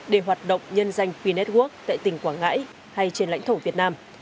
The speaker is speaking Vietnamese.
để hoạt động nhân danh p network tại tỉnh quảng ngãi hay trên lãnh thổ việt nam